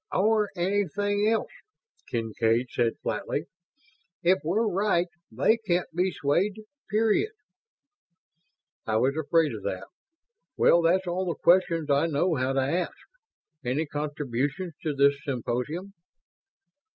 "Or anything else," Kincaid said, flatly. "If we're right they can't be swayed, period." "I was afraid of that. Well, that's all the questions I know how to ask. Any contributions to this symposium?"